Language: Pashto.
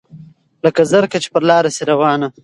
لکه زرکه چي پر لاره سي روانه